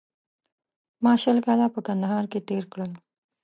ما شل کاله په کندهار کې تېر کړل